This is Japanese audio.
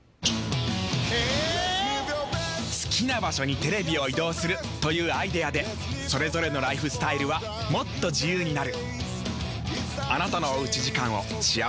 好きな場所にテレビを移動するというアイデアでそれぞれのライフスタイルはもっと自由になる。